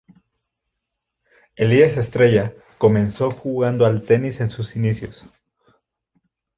Elías Estrella comenzó jugando al tenis en sus inicios.